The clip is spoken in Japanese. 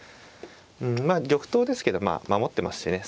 まあ玉頭ですけど守ってますしね